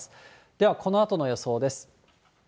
ではこのあとの予想です。